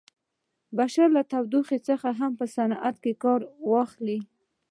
بشر له تودوخې څخه په صنعت کې کار واخلي.